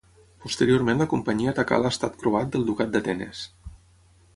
Posteriorment la companyia atacà l'Estat croat del Ducat d'Atenes.